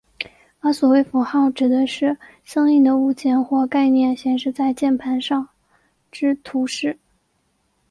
而所谓符号指的是相应的物件或概念显示在键盘上之图示。